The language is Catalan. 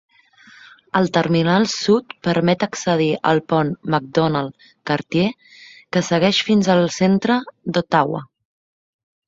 El terminal sud permet accedir al pont Macdonald-Cartier, que segueix fins al centre d'Ottawa.